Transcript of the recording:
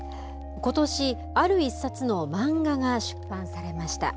ことし、ある一冊の漫画が出版されました。